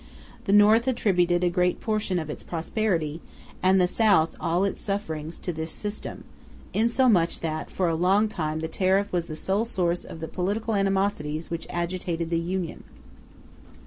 The North attributed a great portion of its prosperity, and the South all its sufferings, to this system; insomuch that for a long time the tariff was the sole source of the political animosities which agitated the Union.